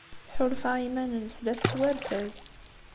Tḥulfa i yiman-nnes la tettwarfad.